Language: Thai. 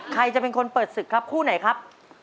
ใครจะเป็นคนเปิดศึกครับคู่ไหนครับ